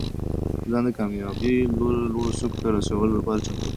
ځان د کامیابۍ لوړو څوکو ته د رسېدو لپاره چمتو کړه.